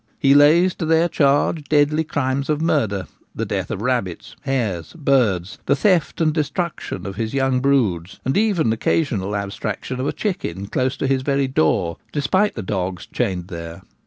He lays to their charge deadly crimes of murder, the death of rabbits, hares, birds, the theft and destruction of his young broods, even occasional abstraction of a chicken close to his very door, despite the dogs chained there.